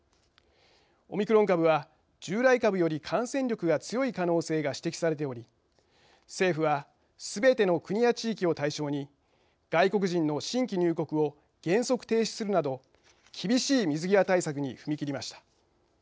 オミクロン株は、従来株より感染力が強い可能性が指摘されており政府はすべての国や地域を対象に外国人の新規入国を原則停止するなど厳しい水際対策に踏み切りました。